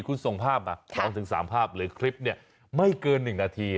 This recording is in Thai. คุณส่งภาพมา๒๓ภาพหรือคลิปเนี่ยไม่เกิน๑นาที